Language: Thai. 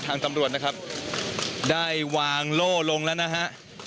ทางตำรวจนะครับได้วางโล่ลงแล้วนะฮะ